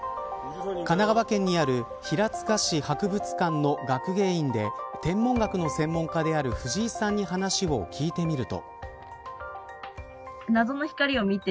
神奈川県にある平塚市博物館の学芸員で天文学の専門家である藤井さんに話を聞いてみると。